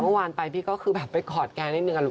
เมื่อวานไปพี่ก็คือแบบไปกอดแกนิดนึงอะ